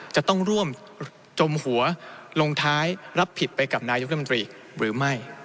จะต้องร่วมจมหัวลงท้ายรับผิดไปกับนายกรัฐมนตรีหรือไม่